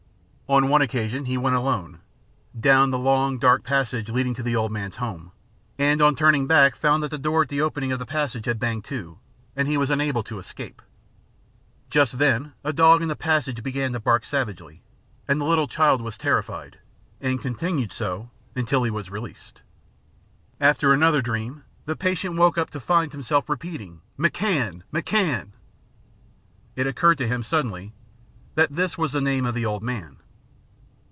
On one occasion he went alone, down the long, dark passage leading to the old man's home, and on turning back found that the door at the opening of the passage had banged to, and he was unable to escape. Just then a dog in the passage began to bark savagely, and the little child was terrified, and continued so until he was released. After another dream the patient woke up to find himself repeating "McCann 1 McCann !" It occurred to him, suddenly, that this was the name of the old man.